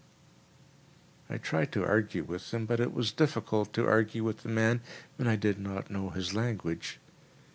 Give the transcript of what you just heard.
I tried to argue with him, but it was difficult to argue with a man when I did not know his language.